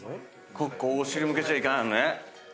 ここお尻向けちゃいけないのね。